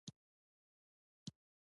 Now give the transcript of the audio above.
چنګلونه د افغانانو د معیشت سرچینه ده.